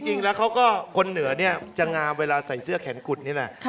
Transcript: จริงแล้วเหนือนี่จะงามเวลาใส่เสื้อแขนกุฎนี่แหละ